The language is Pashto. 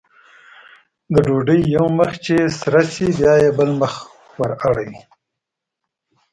د ډوډۍ یو مخ چې سره شي بیا یې بل مخ ور اړوي.